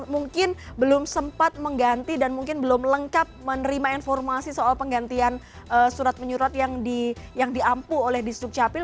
mungkin belum sempat mengganti dan mungkin belum lengkap menerima informasi soal penggantian surat menyurat yang diampu oleh di sukcapil